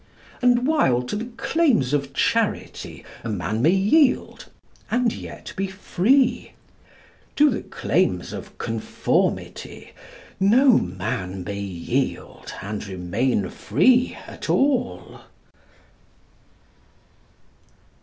And while to the claims of charity a man may yield and yet be free, to the claims of conformity no man may yield and remain free at all.